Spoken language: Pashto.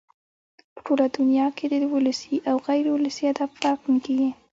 په ټوله دونیا کښي د ولسي او غیر اولسي ادب فرق نه کېږي.